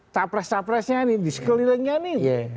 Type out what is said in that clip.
tapres tapresnya ini di sekelilingnya ini